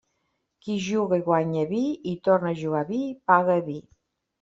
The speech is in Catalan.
Qui juga i guanya vi, i torna a jugar vi, paga vi.